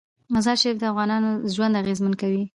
مزارشریف د افغانانو ژوند اغېزمن کوي.